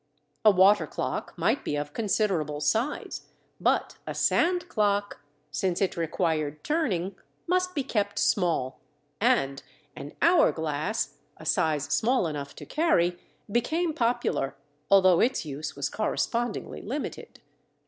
A water clock might be of considerable size but a sand clock, since it required turning, must be kept small, and an hour glass—a size small enough to carry—became popular, although its use was correspondingly limited.